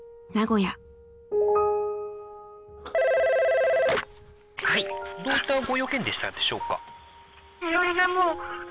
どういったご用件でしたでしょうか？